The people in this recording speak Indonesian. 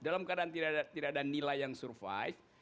dalam keadaan tidak ada nilai yang survive